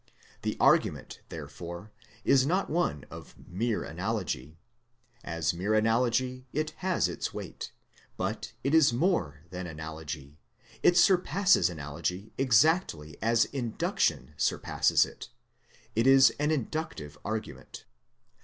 The argument therefore is not one of mere analogy. As mere analogy it has its weight, but it is more than analogy. It surpasses analogy exactly as induction surpasses it. It is an inductive argument.